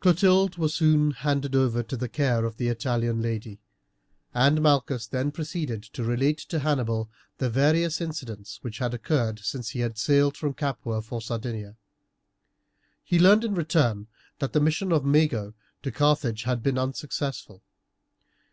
Clotilde was soon handed over to the care of the Italian lady, and Malchus then proceeded to relate to Hannibal the various incidents which had occurred since he had sailed from Capua for Sardinia. He learned in return that the mission of Mago to Carthage had been unsuccessful.